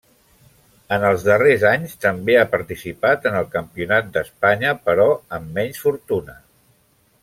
En els darrers anys també ha participat en el Campionat d'Espanya, però amb menys fortuna.